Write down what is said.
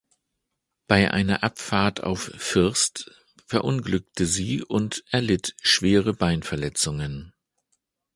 Bei einer Abfahrt auf First verunglückte sie und erlitt schwere Beinverletzungen.